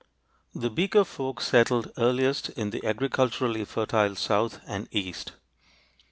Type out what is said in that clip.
The Beaker folk settled earliest in the agriculturally fertile south and east.